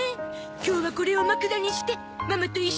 今日はこれを枕にしてママと一緒に寝ましょうね。